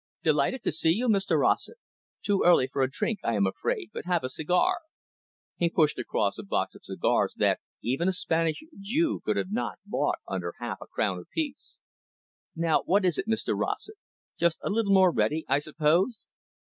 "Delighted to see you, Mr Rossett. Too early for a drink, I am afraid, but have a cigar." He pushed across a box of cigars that even a Spanish Jew could not have bought under half a crown apiece. "Now, what is it, Mr Rossett? Just a little more ready, I suppose?"